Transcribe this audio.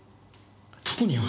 特には。